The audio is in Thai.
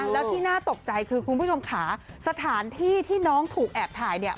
แล้วที่น่าตกใจคือคุณผู้ชมค่ะสถานที่ที่น้องถูกแอบถ่ายเนี่ย